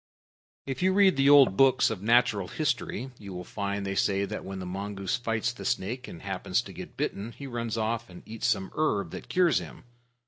If you read the old books of natural history, you will find they say that when the mongoose fights the snake and happens to get bitten, he runs off and eats some herb that cures him.